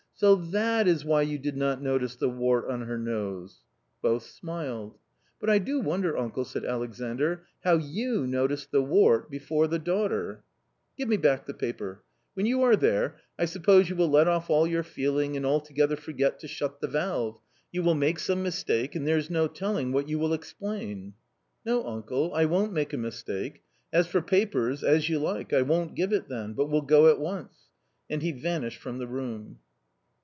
So that is why you did not notice the wart on her nose." Both smiled. "But I do wonder, uncle," said Alexandr; "how you noticed the wart before the daughter ." "Give me back the pSpeT; When you are there, I suppose you will let off all your feeling and altogether forget to shut the valve, you will make some mistake and there's no telling what you will explain." " No, uncle, I won't make a mistake. As for papers, as you like, I won't give it then, but will go at once." And he vanished from the room.